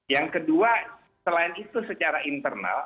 yang kedua selain itu secara internal